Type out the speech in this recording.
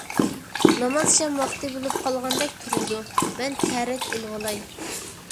ناماز شام ۋاقتى بولۇپ قالغاندەك تۇرىدۇ، مەن تەرەت ئېلىۋالاي.